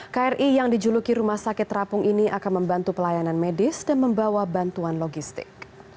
kri yang dijuluki rumah sakit terapung ini akan membantu pelayanan medis dan membawa bantuan logistik